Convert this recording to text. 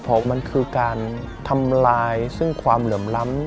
เพราะมันคือการทำลายซึ่งความเหลื่อมล้ำ